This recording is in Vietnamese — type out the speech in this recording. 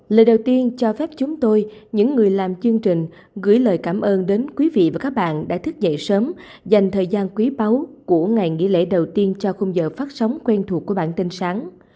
lời đầu tiên cho phép chúng tôi những người làm chương trình gửi lời cảm ơn đến quý vị và các bạn đã thức dậy sớm dành thời gian quý báu của ngày nghỉ lễ đầu tiên cho khung giờ phát sóng quen thuộc của bản tin sáng